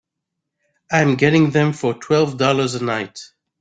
I'm getting them for twelve dollars a night.